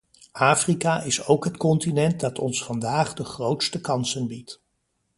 Afrika is ook het continent dat ons vandaag de grootste kansen biedt.